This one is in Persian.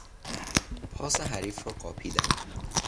پاس حریف را قاپیدم.